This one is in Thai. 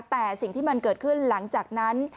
แต่สิ่งที่มันเกิดขึ้นหลังจากนั้น